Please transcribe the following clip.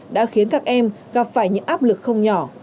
đã khiến các em gặp phải những áp lực không nhỏ